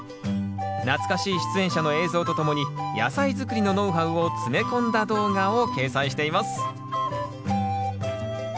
懐かしい出演者の映像とともに野菜づくりのノウハウを詰め込んだ動画を掲載しています